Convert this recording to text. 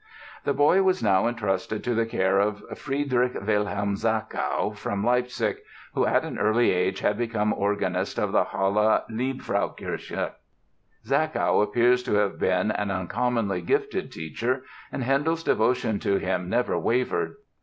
The boy was now entrusted to the care of Friedrich Wilhelm Zachow, from Leipzig, who at an early age had become organist of the Halle Liebfrauenkirche. Zachow appears to have been an uncommonly gifted teacher and Handel's devotion to him never wavered.